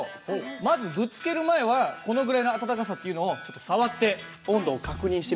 まずぶつける前はこのぐらいの温かさっていうのをちょっと触って温度を確認してみて下さい。